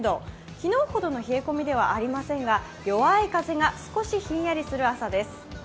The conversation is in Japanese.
昨日の冷え込みではありませんが弱い風が少しひんやりする朝です。